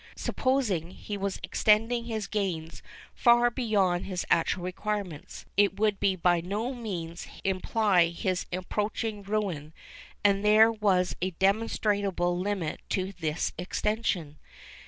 Supposing he were extending his gains far beyond his actual requirements, it would by no means imply his approaching ruin that there was a demonstrable limit to this extension.